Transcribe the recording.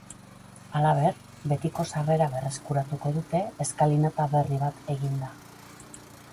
Halaber, betiko sarrera berreskuratuko dute eskalinata berri bat eginda.